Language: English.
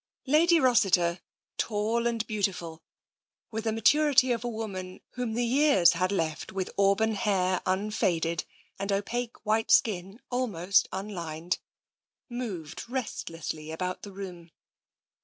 Lady Rossiter, tall and beautiful, with the maturity of a woman whom the years had left with auburn hair unfaded and opaque white skin almost unlined, moved restlessly about the room.